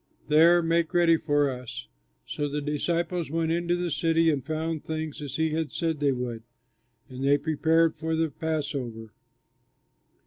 There make ready for us." So the disciples went into the city and found things as he had said they would; and they prepared for the Passover.